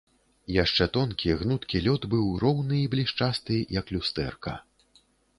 Яшчэ тонкі, гнуткі лёд быў роўны і блішчасты, як люстэрка.